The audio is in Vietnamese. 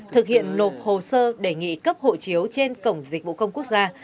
thực hiện nộp hồ sơ đề nghị cấp hộ chiếu trên cổng dịch vụ công quốc gia